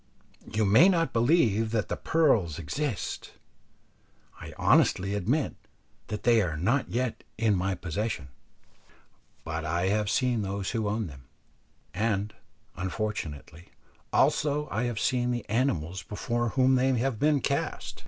You may not believe that the pearls exist; I honestly admit that they are not yet in my possession, but I have seen those who own them, and, unfortunately, also I have seen the animals before whom they have been cast.